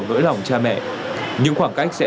nỗi lòng cha mẹ những khoảng cách sẽ